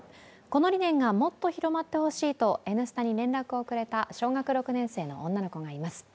この理念がもっと広まってほしいと「Ｎスタ」に連絡をくれた小学６年生の女の子がいます。